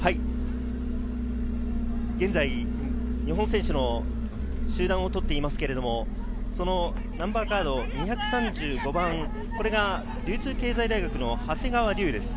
現在、日本選手の集団を撮っていますけれど、ナンバーカード２３５番、これが流通経済大学の長谷川瑠です。